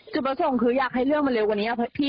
จุบส่งคืออยากให้เรื่องมันเร็วกว่านี้พี่